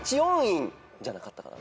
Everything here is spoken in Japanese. じゃなかったかな。